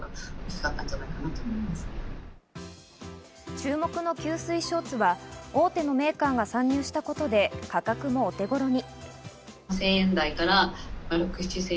注目の吸水ショーツは大手のメーカーが参入したことで、価格もお手頃に。